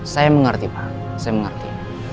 saya mengerti pak saya mengerti